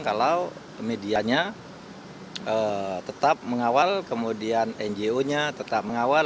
kalau medianya tetap mengawal kemudian ngo nya tetap mengawal